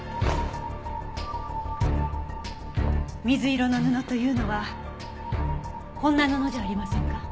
水色の布というのはこんな布じゃありませんか？